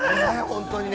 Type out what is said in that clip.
◆本当にね。